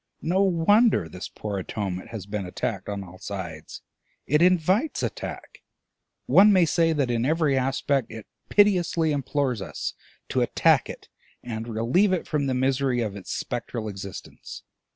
No wonder this poor Atonement has been attacked on all sides; it invites attack; one may say that in every aspect it piteously implores us to attack it and relieve it from the misery of its spectral existence.